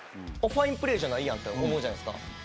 ファインプレーじゃないと思うじゃないですか。